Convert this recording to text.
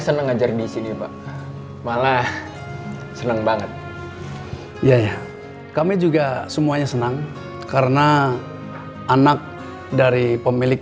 seneng ajar disini mbak malah seneng banget iya kami juga semuanya senang karena anak dari pemilik